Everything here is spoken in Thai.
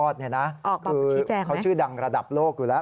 ออกมาชี้แจงไหมคือเขาชื่อดังระดับโลกอยู่แล้ว